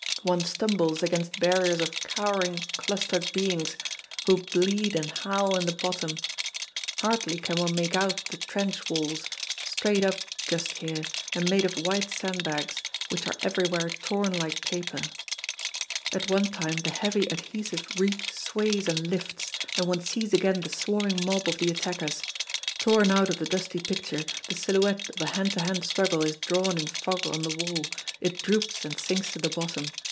One stumbles against barriers of cowering clustered beings who bleed and howl in the bottom. Hardly can one make out the trench walls, straight up just here and made of white sandbags, which are everywhere torn like paper. At one time the heavy adhesive reek sways and lifts, and one sees again the swarming mob of the attackers. Torn out of the dusty picture, the silhouette of a hand to hand struggle is drawn in fog on the wall, it droops and sinks to the bottom.